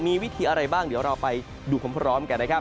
มีวิธีอะไรบ้างเดี๋ยวเราไปดูพร้อมกันนะครับ